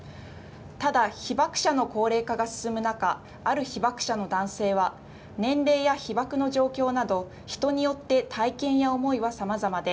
ただ、被爆者の高齢化が進む中、ある被爆者の男性は、年齢や被爆の状況など、人によって体験や思いはさまざまで、